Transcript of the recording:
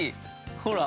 ほら。